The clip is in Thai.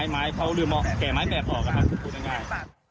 ไม้เขาลืมเอาแก่ไม้แบบออกแล้วครับพูดง่าย